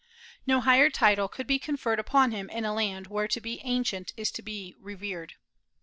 No higher title could be conferred upon him in a land where to be "ancient" is to be revered.